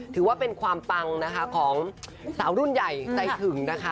ถือว่าเป็นความปังนะคะของสาวรุ่นใหญ่ใจถึงนะคะ